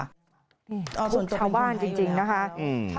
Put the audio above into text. นี่ส่วนชาวบ้านจริงนะคะ